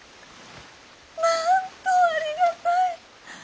なんとありがたい！